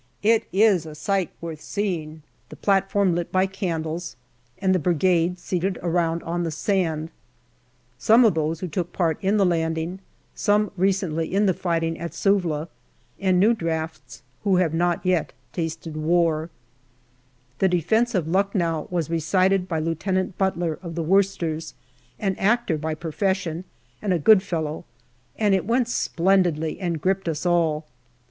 It is a sight worth seeing the platform lit by candles, and the Brigade seated around on the sand : some of those who took part in the landing, some recently in the fighting at Suvla, and new drafts who had not yet tasted war. rf The Defence of Lucknow " was recited by Lieutenant Butler, of the Worcesters, an actor by profession and a good fellow, and it went splendidly and gripped us all.